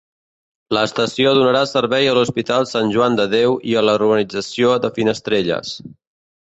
L'estació donarà servei a l'Hospital Sant Joan de Déu i a la urbanització de Finestrelles.